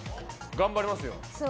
頑張りますよ。